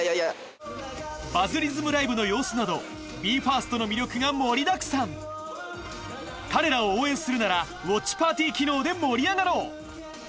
「バズリズムＬＩＶＥ」の様子などＢＥ：ＦＩＲＳＴの魅力が盛りだくさん彼らを応援するならウォッチパーティ機能で盛り上がろう！